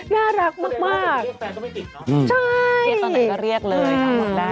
เรียกเลยเรียกเลย